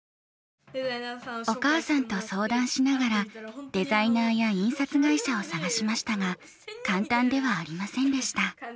お母さんと相談しながらデザイナーや印刷会社を探しましたが簡単ではありませんでした。